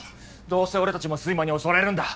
どうせ俺たちも睡魔に襲われるんだ！